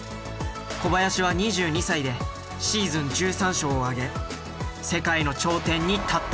小林は２２歳でシーズン１３勝を挙げ世界の頂点に立った。